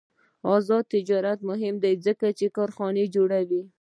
آزاد تجارت مهم دی ځکه چې کارخانې جوړوي.